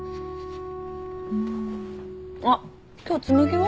あっ今日紬は？